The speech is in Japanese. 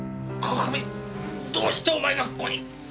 どうしてお前がここに？